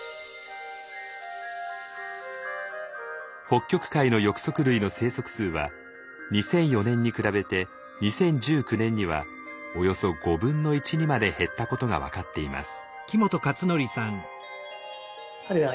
北極海の翼足類の生息数は２００４年に比べて２０１９年にはおよそ５分の１にまで減ったことが分かっています。